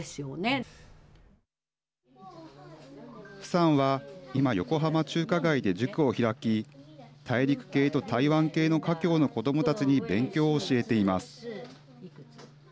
符さんは今横浜中華街で塾を開き大陸系と台湾系の華僑の子どもたちに勉強を教えています。